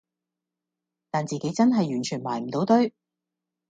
但自己真係完全埋唔到堆